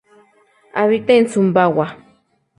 Habita en Sumbawa.